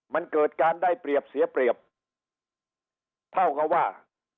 มันเกิดการได้เปรียบเสียเปรียบเท่ากับว่า